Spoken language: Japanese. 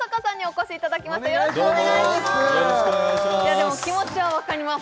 でも気持ちは分かります